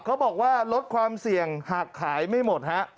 เขาบอกว่าลดความเสี่ยงหากขายไม่หมดฮะ